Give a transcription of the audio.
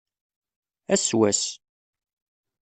Ass wass.